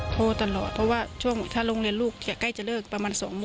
โทรตลอดเพราะว่าช่วงถ้าโรงเรียนลูกใกล้จะเลิกประมาณ๒โมง